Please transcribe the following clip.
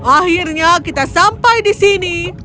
akhirnya kita sampai di sini